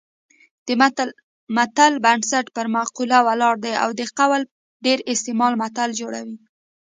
د متل بنسټ پر مقوله ولاړ دی او د قول ډېر استعمال متل جوړوي